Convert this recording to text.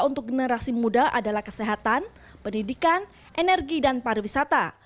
untuk generasi muda adalah kesehatan pendidikan energi dan pariwisata